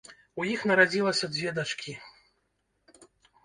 У іх нарадзілася дзве дачкі.